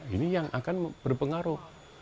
ini yang akan berpengaruh